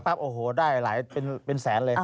ปรับโอ้โหได้เป็นแสนเลย